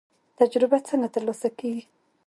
تجربه څنګه ترلاسه کیږي؟